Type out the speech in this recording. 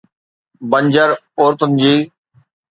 بنجر عورتن جي